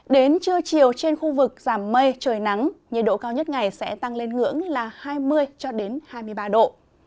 đến trưa chiều trên khu vực giảm mây trời nắng nhiệt độ cao nhất ngày sẽ tăng lên ngưỡng là hai mươi hai mươi ba độ